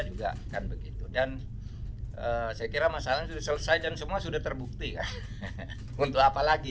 juga kan begitu dan saya kira masalah sudah selesai dan semua sudah terbukti untuk apa lagi